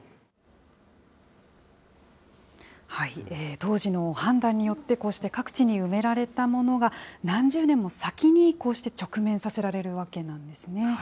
当時の判断によって、こうして各地に埋められたものが、何十年も先に、こうして直面させられるわけなんですね。